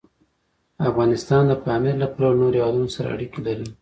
افغانستان د پامیر له پلوه له نورو هېوادونو سره اړیکې لري.